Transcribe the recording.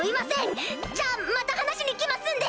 じゃまた話しに来ますんで！